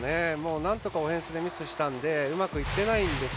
何度かオフェンスでミスしたのでうまくいってないんですよ